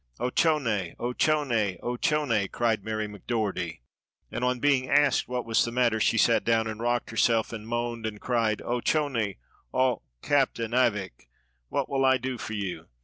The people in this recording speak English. "Ochone! ochone! ochone!" cried Mary McDogherty, and, on being asked what was the matter, she sat down and rocked herself and moaned and cried, "Ochone och, captain, avick, what will I do for you?